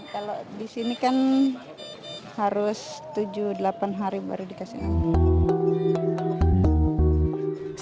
kalau di sini kan harus tujuh delapan hari baru dikasih angin